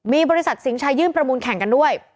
มีบริษัทสิงห์ชายยื่นประมูลแข่งกันด้วย